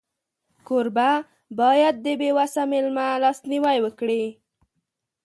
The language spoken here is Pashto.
کوربه باید د بېوسه مېلمه لاسنیوی وکړي.